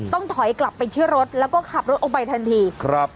ต้องถอยกลับไปที่รถแล้วก็ขับรถออกไปทันทีครับ